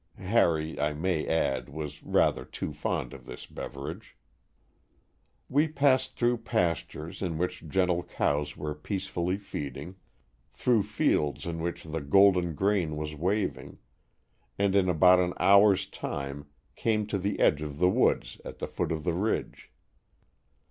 Harry, I may add, was rather too fond of this beverage. 9 Stories from the Adirondacks. We passed through pastures in which gentle cows were peacefully feeding, through fields in which the golden grain was waving, and in about an hour's time came to the edge of the woods at the foot of the ridge.